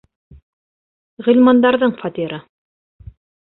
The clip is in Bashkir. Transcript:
Ғилмандарҙың фатиры.